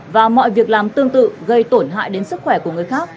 và mọi việc làm tương tự gây tổn hại đến sức khỏe của người khác